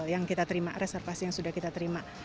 yang kita terima reservasi yang sudah kita terima